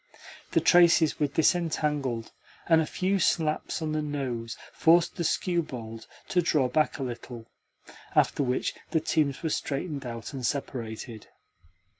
The traces were disentangled, and a few slaps on the nose forced the skewbald to draw back a little; after which the teams were straightened out and separated.